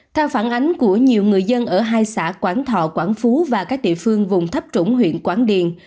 theo phản ánh của nhiều người dân ở hai xã quảng thọ quảng phú và các địa phương vùng thấp trũng huyện quảng điền